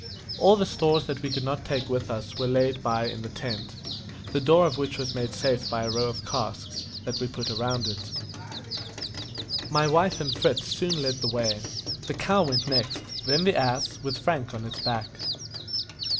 All the stores that we could not take with us were laid by in the tent, the door of which was made safe by a row of casks, that we put round it. My wife and Fritz soon led the way; the cow went next; then the ass, with Frank on its back.